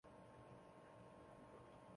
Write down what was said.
奥埃岑是德国下萨克森州的一个市镇。